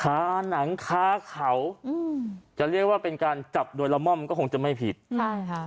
หนังคาเขาอืมจะเรียกว่าเป็นการจับโดยละม่อมก็คงจะไม่ผิดใช่ค่ะ